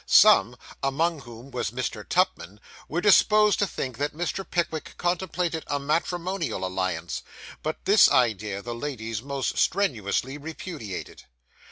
Some (among whom was Mr. Tupman) were disposed to think that Mr. Pickwick contemplated a matrimonial alliance; but this idea the ladies most strenuously repudiated.